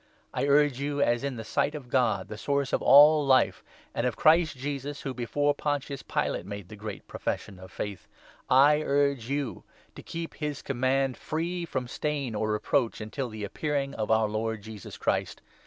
I urge you, as in the 13 sight of God, the source of all life, and of Christ Jesus who before Pontius Pilate made the great profession of Faith — I 14 urge you to keep his Command free from stain or reproach, until the Appearing of our Lord Jesus Christ.